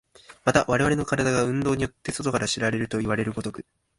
また我々の身体が運動によって外から知られるといわれる如く、